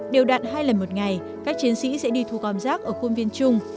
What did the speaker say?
điều đạn hai lần một ngày các chiến sĩ sẽ đi thu gom rác ở khuôn viên chung